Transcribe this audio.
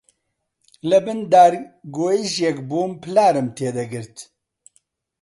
لەبن دارەگێوژێک بووم، پلارم تێ دەگرت